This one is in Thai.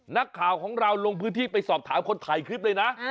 นักข่าวของเราลงพื้นที่ไปสอบถามคนถ่ายคลิปเลยนะ